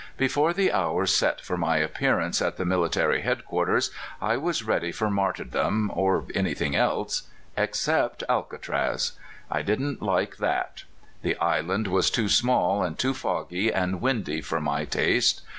Before the hour set for my appearance at the mil itary head quarters, I was ready for martyrdom 01 any thing else except Alcatraz. I didn't like that. The island was too small, and too foggy and windy, for my taste.